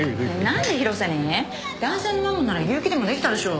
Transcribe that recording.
男性のマンモなら悠木でもできたでしょ。